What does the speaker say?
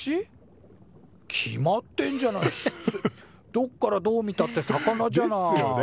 どっからどう見たって魚じゃない。ですよね？